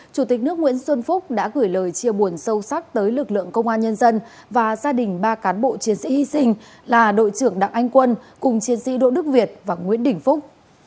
chủ tịch nước nguyễn xuân phúc đã gửi lời chia buồn sâu sắc tới lực lượng công an nhân dân và gia đình ba cán bộ chiến sĩ hy sinh là đội trưởng đặng anh quân cùng chiến sĩ đỗ đức việt và nguyễn đình phúc